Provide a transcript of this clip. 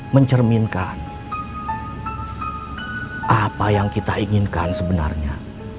mencerminkan apa yang kita inginkan sebenarnya